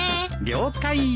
了解。